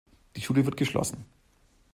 Die Schule wird geschlossen.